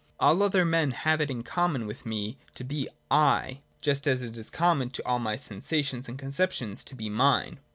All other men have it in common with me to be ' I ': just as it is common to all my sen sations and conceptions to be mine.